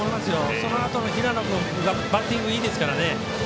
そのあとの平野君がバッティングいいですからね。